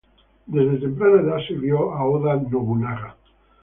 Desde temprana edad sirvió a Oda Nobunaga.